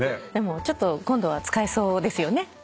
でもちょっと今度は使えそうですよね。